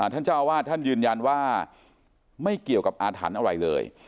ท่านเจ้าอาวาสท่านยืนยันว่าไม่เกี่ยวกับอาถรรพ์อะไรเลย